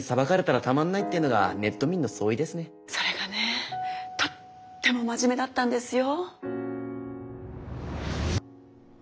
それがねとっても真面目だったんですよ。